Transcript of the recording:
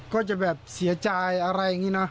ก็จะแบบเสียใจอะไรอย่างนี้นะ